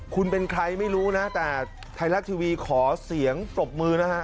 คุณเป็นใครไม่รู้นะแต่ไทยรัฐทีวีขอเสียงปรบมือนะฮะ